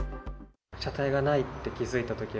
車体がないって気付いたとき